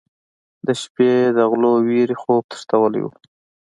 د شپې د غلو وېرې خوب تښتولی و.